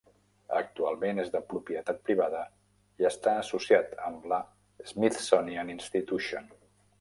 Actualment és de propietat privada i està associat amb la Smithsonian Institution.